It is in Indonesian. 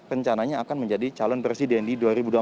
rencananya akan menjadi calon presiden di dua ribu dua puluh